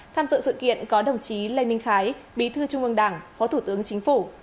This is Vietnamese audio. tham dự sự kiện có đồng chí lê minh khái bí thư trung ương đảng phó thủ tướng chính phủ